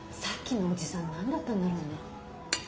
さっきのおじさん何だったんだろうね。